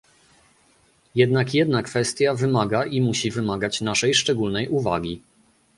Jednak jedna kwestia wymaga i musi wymagać naszej szczególnej uwagi